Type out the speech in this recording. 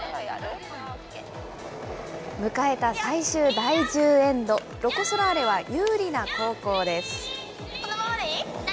迎えた最終第１０エンド、ロコ・ソラーレは有利な後攻です。